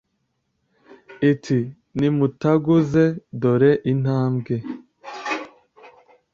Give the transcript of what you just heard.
Iti "nimutaguze dore intambwe!